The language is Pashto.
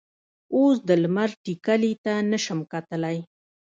اوس د لمر ټیکلي ته نه شم کتلی.